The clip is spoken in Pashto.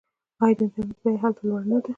آیا د انټرنیټ بیه هلته لوړه نه ده؟